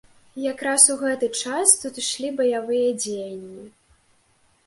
І якраз у гэты час тут ішлі баявыя дзеянні.